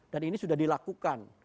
dan ini sudah dilakukan